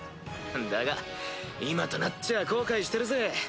だが今となっちゃあ後悔してるぜ。